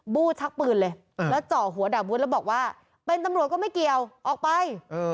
ู้ชักปืนเลยแล้วเจาะหัวดาบวุฒิแล้วบอกว่าเป็นตำรวจก็ไม่เกี่ยวออกไป